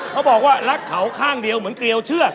เขาบอกว่ารักเขาข้างเดียวเหมือนเกลียวเชือก